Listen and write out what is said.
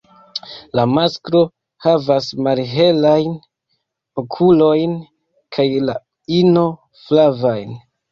La masklo havas malhelajn okulojn kaj la ino flavajn.